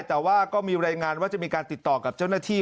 แต่ว่าก็มีรายงานว่าจะมีการติดต่อกับเจ้าหน้าที่